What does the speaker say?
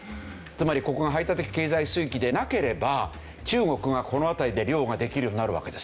つまりここが排他的経済水域でなければ中国がこの辺りで漁ができるようになるわけですよ。